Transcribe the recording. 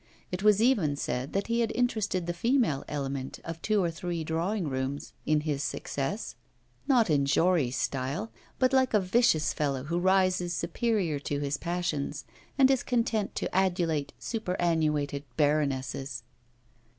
It was even said that he had interested the female element of two or three drawing rooms in his success, not in Jory's style, but like a vicious fellow who rises superior to his passions, and is content to adulate superannuated baronesses.